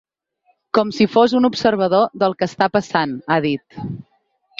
Com si fos un observador del que està passant, ha dit.